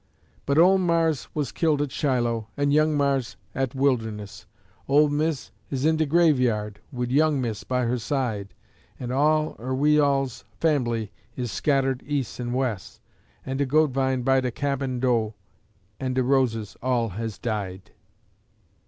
But ole Mars' wuz killed at Shiloh, an' young Mars' at Wilderness; Ole Mis' is in de graveyard, wid young Mis' by her side, An' all er we all's fambly is scattered eas' an' wes', An' de gode vine by de cabin do' an' de roses all has died!